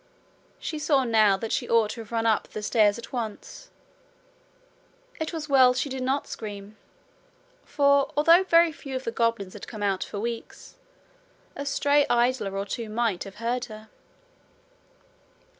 She saw now that she ought to have run up the stairs at once. It was well she did not scream; for, although very few of the goblins had come out for weeks, a stray idler or two might have heard her.